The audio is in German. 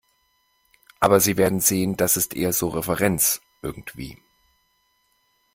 Aber Sie werden sehen, das ist eher so Referenz, irgendwie.